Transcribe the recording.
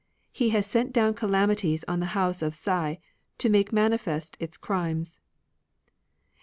He has sent down calamities on the House of Hsia, to make manifest its crimes."